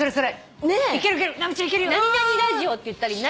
何々ラジオって言ったり。